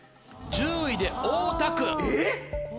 １０位で大田区。